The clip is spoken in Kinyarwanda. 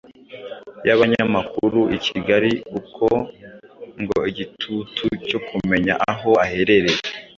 y'abanyamakuru i Kigali.Uko ngo igitutu cyo kumenya aho aherereye